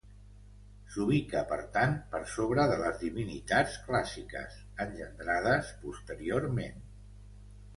S'ubica per tant per sobre de les divinitats clàssiques, engendrades posteriorment.